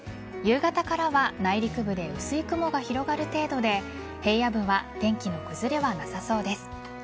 夕方からは内陸部で薄い雲が広がる程度で平野部は天気の崩れはなさそうです。